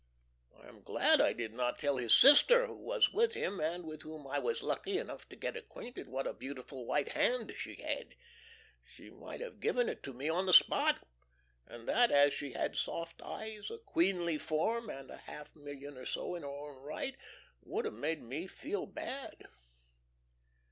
I am glad I did not tell his sister, who was with him and with whom I was lucky enough to get acquainted, what a beautiful white hand she had. She might have given it to me on the spot; and that, as she had soft eyes, a queenly form, and a half million or so in her own right, would have made me feel bad.